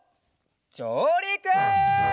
じょうりく！